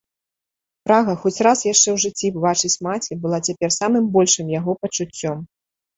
Прага хоць раз яшчэ ў жыцці ўбачыць маці была цяпер самым большым яго пачуццём.